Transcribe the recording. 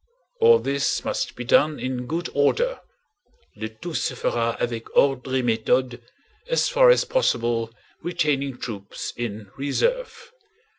All this must be done in good order (le tout se fera avec ordre et méthode) as far as possible retaining troops in reserve.